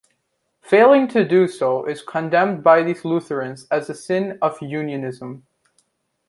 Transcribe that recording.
Failing to do so is condemned by these Lutherans as the sin of unionism.